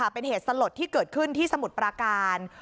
เป็นเหตุสลดที่เกิดขึ้นที่สมุทรปราการ